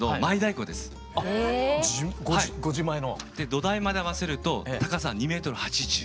土台まで合わせると高さ２メートル８０。